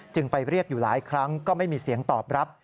ไปเรียกอยู่หลายครั้งก็ไม่มีเสียงตอบรับ